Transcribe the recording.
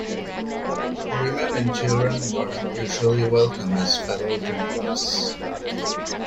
Women and children were not usually welcome as fellow drinkers.